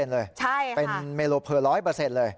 ๑๐๐เลยเป็นเมโลเพิร์ล๑๐๐เลยใช่ค่ะ